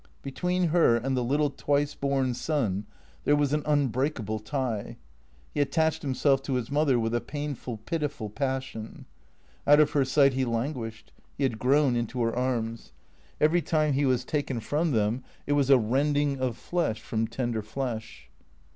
Between her and the little twice born son there was an unbreakable tie. He attached him self to his mother with a painful, pitiful passion. Out of her sight he languished. He had grown into her arms. Every time he was taken from them it was a rending of flesh from tender flesh.